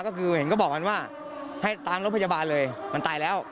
ก็คือเห็นก็บอกกันว่าให้ตามรถพยาบาลเลยมันตายแล้ว